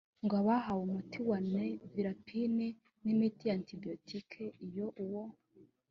ngo ahabwe umuti wa nevirapine n imiti ya antibiyotiki iyo uwo